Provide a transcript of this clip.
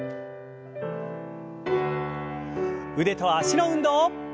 腕と脚の運動。